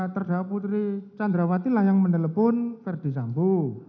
terdakwa putri sandrawati lah yang menelpon verdi sambu